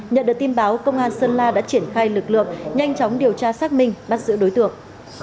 nhận được tin báo công an sơn la đã triển khai lực lượng nhanh chóng điều tra xác minh bắt giữ đối tượng